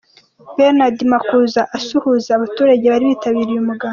Bernard Makuza asuhuza abaturage bari bitabiriye umuganda.